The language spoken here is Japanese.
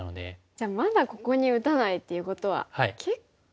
じゃあまだここに打たないということは結構。